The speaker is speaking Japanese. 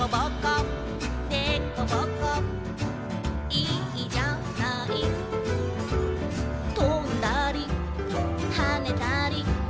「いいじゃない」「とんだりはねたり」